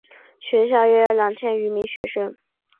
学校约有两千余名学生。